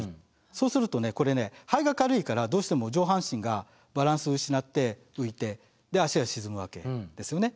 そうするとねこれね肺が軽いからどうしても上半身がバランスを失って浮いて足が沈むわけですよね。